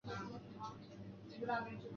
莫尔帕拉是巴西巴伊亚州的一个市镇。